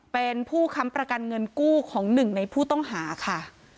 เป็นผู้ค้ำประกันเงินกู้ของหนึ่งในผู้ต้องหาค่ะ